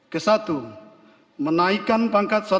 kesatu menaikan pangkat seterusnya